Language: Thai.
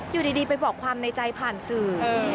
อยู่ดีไปบอกความในใจผ่านสื่อ